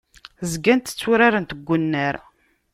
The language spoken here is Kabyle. Zgant tturarent deg unnar.